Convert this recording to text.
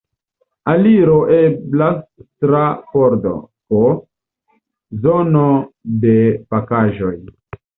Aliro eblas tra pordo K, zono de pakaĵoj.